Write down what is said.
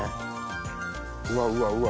うわうわうわ。